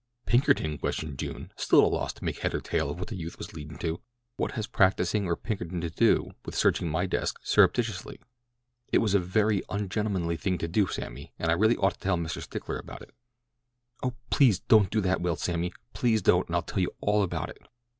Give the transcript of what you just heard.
"Pinkerton?" questioned June, still at a loss to make head or tail of what the youth was leading to. "What has practising or Pinkerton to do with searching my desk surreptitiously? It was a very ungentlemanly thing to do, Sammy, and I really ought to tell Mr. Stickler about it." "Oh, please don't do that," wailed Sammy. "Please don't and I'll tell you all about it."